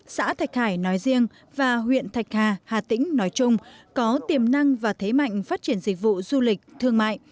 xã thạch hải nói riêng và huyện thạch hà hà tĩnh nói chung có tiềm năng và thế mạnh phát triển dịch vụ du lịch thương mại